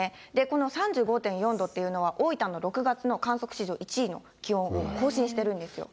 この３５．４度っていうのは、大分の６月の観測史上１位の気温を更新してるんですよ。